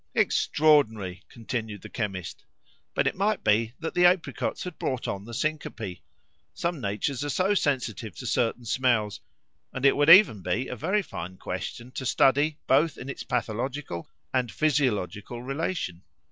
"Extraordinary!" continued the chemist. "But it might be that the apricots had brought on the syncope. Some natures are so sensitive to certain smells; and it would even be a very fine question to study both in its pathological and physiological relation.